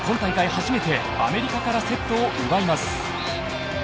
初めてアメリカからセットを奪います。